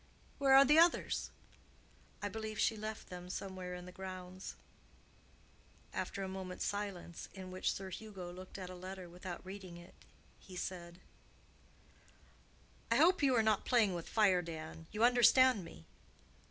"Where are the others?" "I believe she left them somewhere in the grounds." After a moment's silence, in which Sir Hugo looked at a letter without reading it, he said "I hope you are not playing with fire, Dan—you understand me?"